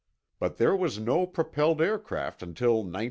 But there was no propelled aircraft until 1903.